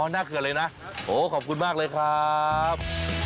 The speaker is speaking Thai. อ๋อน่าเผื่อเลยนะขอบคุณมากเลยครับ